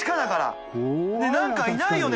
佑何かいないよね？